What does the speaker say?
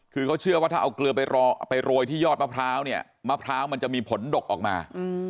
คือเขาเชื่อว่าถ้าเอาเกลือไปโรยที่ยอดมะพร้าวเนี่ยมะพร้าวมันจะมีผลดกออกมา